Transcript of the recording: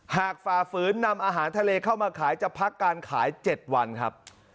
ฝ่าฝืนนำอาหารทะเลเข้ามาขายจะพักการขาย๗วันครับ